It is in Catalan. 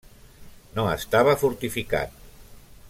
No estava fortificat.